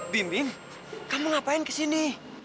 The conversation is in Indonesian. bim bim kamu ngapain kesini